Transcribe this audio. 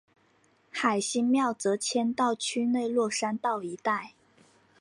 海心庙则迁到区内落山道一带。